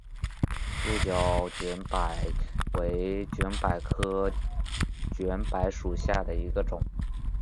鹿角卷柏为卷柏科卷柏属下的一个种。